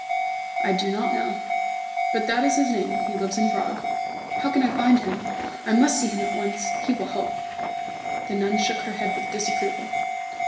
"I do not know. But that is his name. He lives in Prague." "How can I find him? I must see him at once he will help me." The nun shook her head with disapproval.